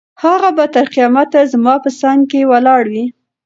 هغه به تر قیامته زما په څنګ کې ولاړه وي.